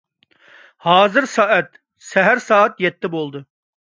ھازىر سائەت سەھەر سائەت يەتتە بولدى.